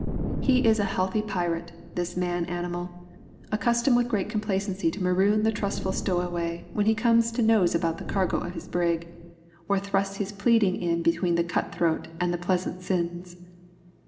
He is a healthy pirate, this man animal, accustomed with great complacency to maroon the trustful stowaway when he comes to nose about the cargo of his brig, or thrusts his pleading in between the cutthroat and his pleasant sins.